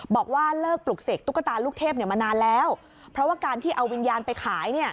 บอกว่าเลิกปลุกเสกตุ๊กตาลูกเทพมานานแล้วเพราะว่าการที่เอาวิญญาณไปขาย